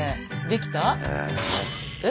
できた？え？